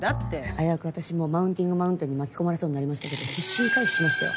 危うく私もマウンティングマウンテンに巻き込まれそうになりましたけど必死に回避しましたよ